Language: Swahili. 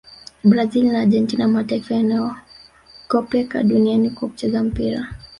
brazil na argentina ni mataifa yanayogopeka duniani kwa kucheza mpira